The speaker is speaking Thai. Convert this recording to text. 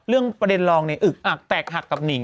ประเด็นรองเนี่ยอึกอักแตกหักกับหนิง